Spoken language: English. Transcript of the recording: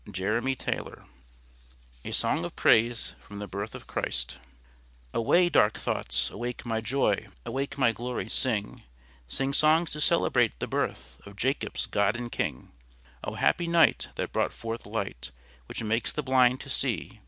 Jeremy Taylor. A SONG OF PRAISE FOR THE BIRTH OF CHRIST. Away, dark thoughts; awake, my joy; Awake, my glory; sing; Sing songs to celebrate the birth Of Jacob's God and King. O happy night, that brought forth light, Which makes the blind to see!